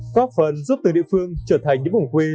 có phần giúp từng địa phương trở thành những vùng quê